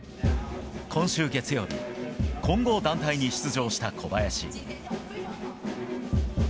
今週月曜日、混合団体に出場した小林。